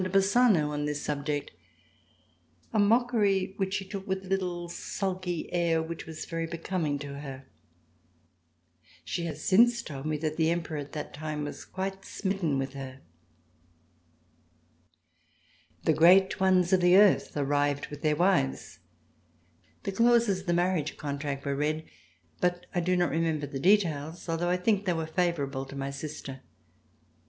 de Bassano on this subject, a mockery which she took with a little sulky air which was very becoming to her. She has since told me that the Emperor at that time was quite smitten with her. The great ones of the earth arrived with their wives. The clauses of the marriage contract were read, but I do not remember the details, although I think they were favorable to my sister.